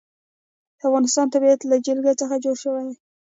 د افغانستان طبیعت له جلګه څخه جوړ شوی دی.